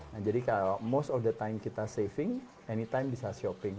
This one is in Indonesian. nah jadi kalau most of the time kita saving anytime bisa shopping